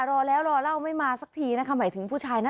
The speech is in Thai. รอแล้วรอเล่าไม่มาสักทีนะคะหมายถึงผู้ชายนะ